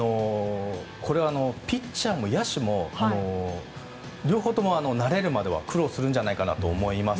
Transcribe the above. これはピッチャーも野手も両方とも慣れるまでは苦労するんじゃないかと思います。